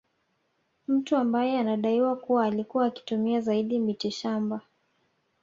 Mtu ambaye anadaiwa kuwa alikuwa akitumia zaidi mitishamba